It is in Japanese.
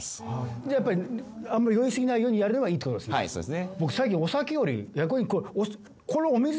あんまり酔い過ぎないようにやるのがいいってことですね。